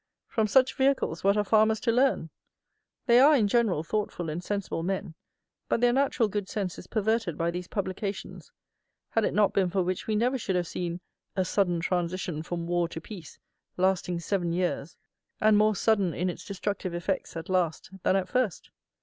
From such vehicles what are farmers to learn? They are, in general, thoughtful and sensible men; but their natural good sense is perverted by these publications, had it not been for which we never should have seen "a sudden transition from war to peace" lasting seven years, and more sudden in its destructive effects at last than at first.